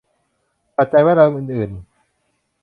ปัจจัยแวดล้อมอื่นอื่น